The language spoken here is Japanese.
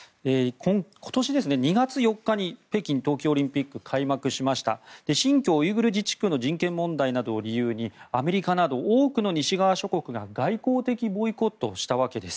今年２月４日に北京冬季オリンピックが開幕しました新疆ウイグル自治区の人権問題などを理由にアメリカなど多くの西側諸国が外交的ボイコットをしたわけです。